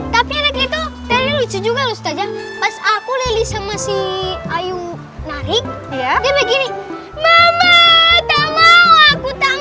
tapi reketo terlalu juga ustazah pas aku lelis sama si ayu narik ya begini mama tak mau aku tak